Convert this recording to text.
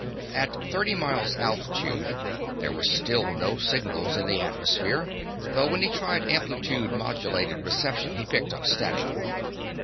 At thirty miles altitude there were still no signals in the atmosphere, though when he tried amplitude modulation reception he picked up static.